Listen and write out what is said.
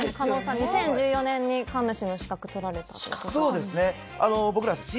２０１４年に神主の資格取られたとそうですね